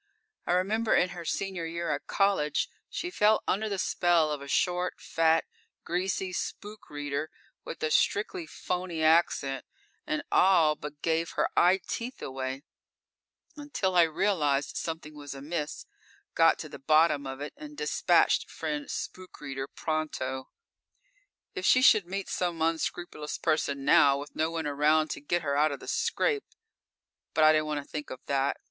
I remember in her senior year at college she fell under the spell of a short, fat, greasy spook reader with a strictly phony accent and all but gave her eye teeth away, until I realized something was amiss, got to the bottom of it, and dispatched friend spook reader pronto. If she should meet some unscrupulous person now, with no one around to get her out of the scrape but I didn't want to think of that.